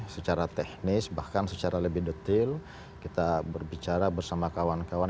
secara teknis bahkan secara lebih detail kita berbicara bersama kawan kawan